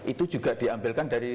itu juga diambilkan dari